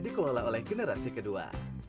dikelola oleh generasi kedua